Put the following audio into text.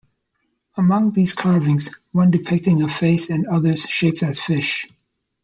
Among these carvings, one depicting a face and others shaped as fish.